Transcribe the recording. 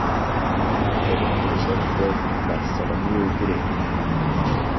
El impresor fue Bartholomew Green.